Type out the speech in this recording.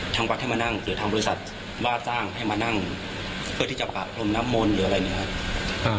ทางวัดให้มานั่งหรือทางบริษัทว่าจ้างให้มานั่งเพื่อที่จะปะพรมน้ำมนต์หรืออะไรอย่างนี้ครับ